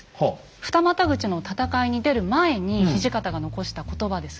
二股口の戦いに出る前に土方が残した言葉です。